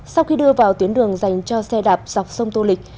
sau khi đưa vào tuyến đường dành cho xe đạp dọc sông tô lịch